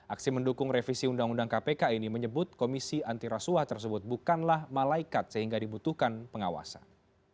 aksi mendukung revisi undang undang kpk ini menyebut komisi antirasuah tersebut bukanlah malaikat sehingga dibutuhkan pengawasan